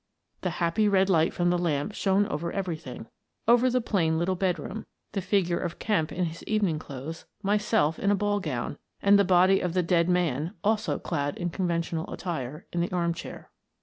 The happy red light from the lamp shone over everything — over the plain little bedroom, the lithe figure of Kemp in his evening clothes, myself in a ball gown, and the body of the dead man, also clad in conventional attire, in the armchair.